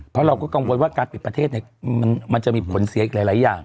เพราะเราก็กังวลว่าการปิดประเทศมันจะมีผลเสียอีกหลายอย่าง